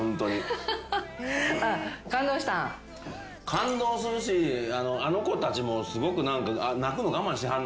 感動するしあの子たちもすごく泣くの我慢しはるのよ。